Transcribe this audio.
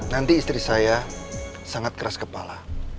nanti istri saya sangat keras kepala